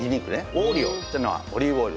オーリオっていうのはオリーブオイル。